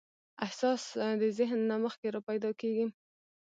احساس د ذهن نه مخکې راپیدا کېږي.